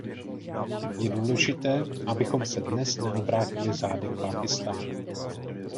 Je důležité, abychom se dnes neobrátili zády k Pákistánu.